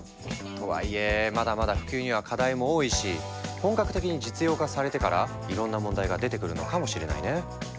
とはいえまだまだ普及には課題も多いし本格的に実用化されてからいろんな問題が出てくるのかもしれないね。